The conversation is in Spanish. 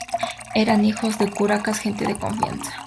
Eran hijos de curacas, gente de confianza.